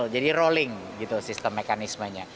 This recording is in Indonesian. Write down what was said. jadi rolling sistem mekanismenya